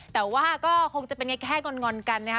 แต่ว่าก็คงจะเป็นไงแค่งอนกันนะคะ